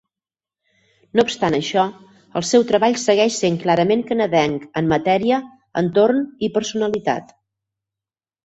No obstant això, el seu treball segueix sent clarament canadenc en matèria, entorn i personalitat.